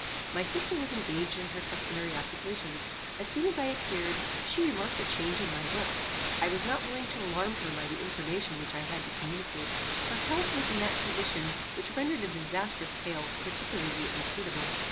My sister was engaged in her customary occupations. As soon as I appeared, she remarked a change in my looks. I was not willing to alarm her by the information which I had to communicate. Her health was in that condition which rendered a disastrous tale particularly unsuitable.